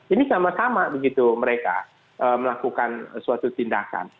ini sama sama begitu mereka melakukan suatu tindakan